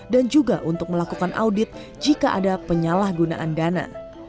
dan juga untuk melakukan audit jika ada penyalahgunaan dana